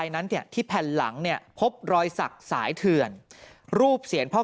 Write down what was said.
หลังจากพบศพผู้หญิงปริศนาตายตรงนี้ครับ